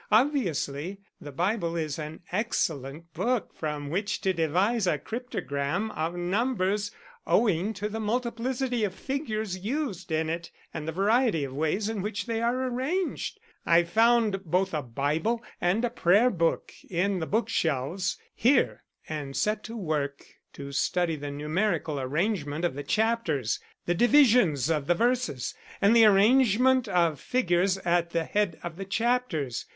Obviously, the Bible is an excellent book from which to devise a cryptogram of numbers owing to the multiplicity of figures used in it and the variety of ways in which they are arranged. I found both a Bible and Prayer Book in the bookshelves, here, and set to work to study the numerical arrangement of the chapters, the divisions of the verses, and the arrangement of figures at the head of the chapters."